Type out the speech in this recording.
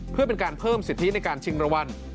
เพื่อเป็นการเพิ่มสิทธิในการชิงรางวัล